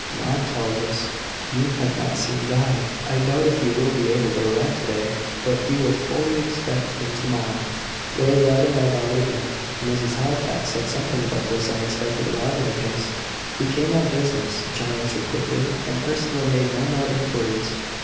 "Maud tells us you have not seen Guy. I doubt if he will be able to arrive to day; but we fully expect him tomorrow." Lord Ravenel bowed again. Mrs. Halifax said something about this unexpected arrival of his. "He came on business," John answered quickly, and Ursula made no more inquiries.